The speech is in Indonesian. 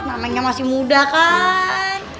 namanya masih muda kan